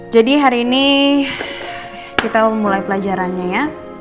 jadi hari ini kita mulai pelajarannya ya